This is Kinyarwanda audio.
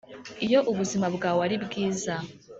iyo ubuzima bwawe ari bwiza,